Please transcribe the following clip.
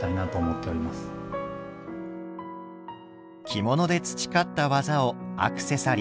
着物で培った技をアクセサリーに。